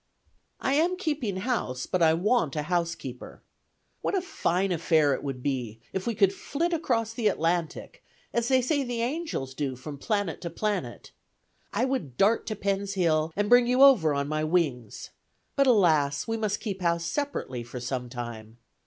"I am keeping house, but I want a housekeeper. What a fine affair it would be, if we could flit across the Atlantic as they say the angels do from planet to planet! I would dart to Penn's Hill and bring you over on my wings; but, alas, we must keep house separately for some time.